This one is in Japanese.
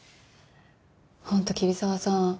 本当桐沢さん